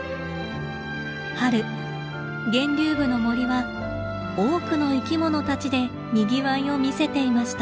春源流部の森は多くの生きものたちでにぎわいを見せていました。